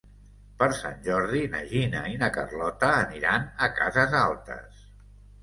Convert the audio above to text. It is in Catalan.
Per Sant Jordi na Gina i na Carlota aniran a Cases Altes.